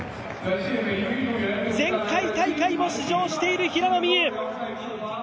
前回大会も出場している平野美宇。